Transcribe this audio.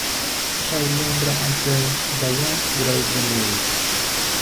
Shailendra and Prem Dhawan wrote the lyrics.